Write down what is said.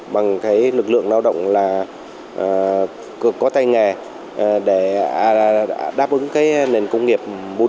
bằng lực lượng lao động cực có tay nghề để đáp ứng nền công nghiệp bốn